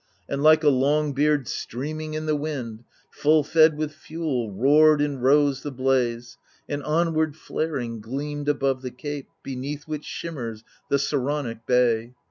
And like a long beard streaming in the wind. Full fed with fuel, roared and rose the blaze, And onward flaring, gleamed above the cape, Beneath which shimmers the Saronic bay.